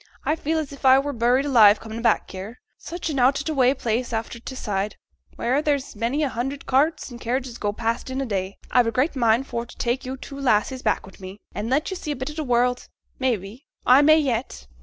I feel as if I were buried alive comin' back here, such an out o' t' way place after t' Side, wheere there's many a hundred carts and carriages goes past in a day. I've a great mind for t' tak yo' two lassies back wi' me, and let yo' see a bit o' t' world; may be, I may yet.